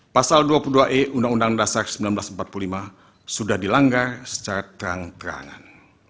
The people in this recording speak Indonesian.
pasal dua puluh dua e undang undang dasar seribu sembilan ratus empat puluh lima sudah dilanggar secara terang terangan